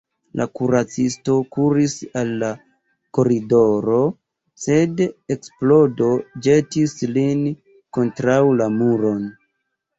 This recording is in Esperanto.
La kuracisto kuris al la koridoro, sed eksplodo ĵetis lin kontraŭ la muron.